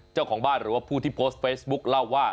เจ้าของบ้านหรือว่าผู้ที่โพสต์เฟซบุ๊คเล่าว่า